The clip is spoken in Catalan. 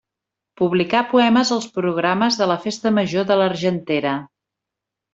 Publicà poemes als programes de la festa major de l'Argentera.